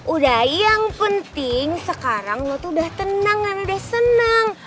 udah yang penting sekarang tuh udah tenang kan udah senang